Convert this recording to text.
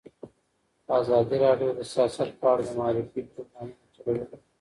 ازادي راډیو د سیاست په اړه د معارفې پروګرامونه چلولي.